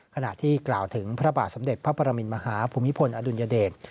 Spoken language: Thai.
ขณะที่กล่าวถึงพระบาทสมเด็จพระปรมินมหาภูมิพลอดุลยเดช